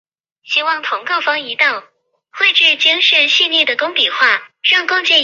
发光炬灯鱼为辐鳍鱼纲灯笼鱼目灯笼鱼科炬灯鱼属的鱼类。